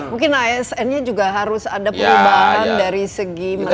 mungkin asn nya juga harus ada perubahan dari segi mereka